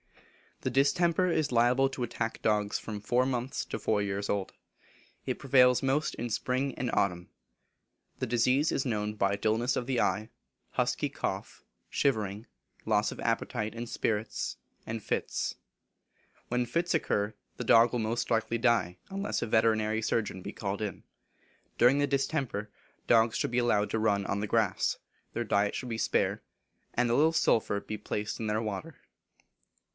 The distemper is liable to attack dogs from four months to four years old. It prevails most in spring and autumn. The disease is known by dulness of the eye, husky cough, shivering, loss of appetite and spirits, and fits. When fits occur, the dog will most likely die, unless a veterinary surgeon be called in. During the distemper, dogs should be allowed to run on the grass; their diet should be spare; and a little sulphur be placed in their water.